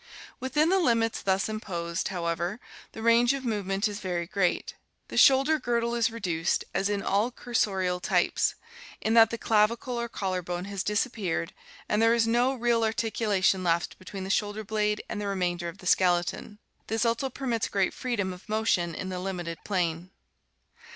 Within the limits thus imposed, however, the range of movement is very great. The shoulder girdle is reduced, as in all cursorial types, in that the clavicle or collar bone has disappeared and there is no real articulation left between the shoulder blade and the remainder of the skeleton. This also permits great freedom of motion in the limited plane.